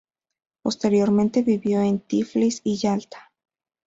Posteriormente vivió en Tiflis y Yalta.